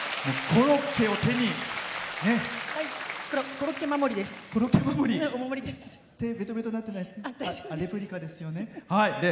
コロッケ守り、お守りです。